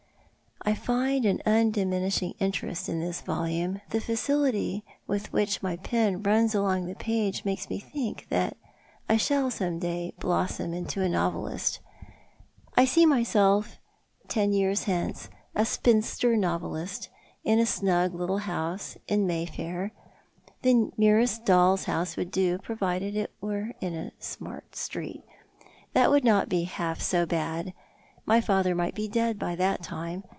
I find an uudiminishing interest in this volume, and the facility ^■ith which my pen runs along the page makes mo think that I shall some day blossom into a novelist. I see myself ten years hence a spinster novelist, in a snug little house— in Mayfair. The merest doll's house would do, provided it were in a smart street. That would not be half so bad. My father might be dead by that time.